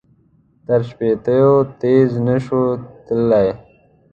تر شپېتو تېز نه شول تللای.